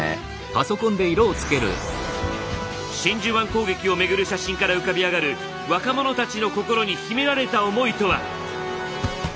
真珠湾攻撃をめぐる写真から浮かび上がる若者たちの心に秘められた思いとは。